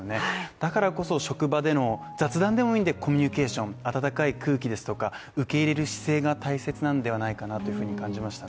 だからこそ職場での雑談でもいいんでコミニュケーション温かい空気ですとか、受け入れる姿勢が大切なんではないかなというふうに感じましたね